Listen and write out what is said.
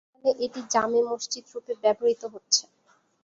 বর্তমানে এটি জামে মসজিদরূপে ব্যবহূত হচ্ছে।